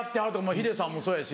ヒデさんもそうやし。